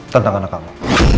tentang anak kamu